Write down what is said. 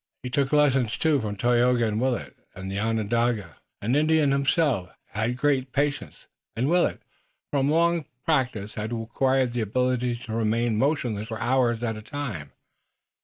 He took lessons, too, from Tayoga and Willet. The Onondaga, an Indian himself, had an illimitable patience, and Willet, from long practice, had acquired the ability to remain motionless for hours at a time.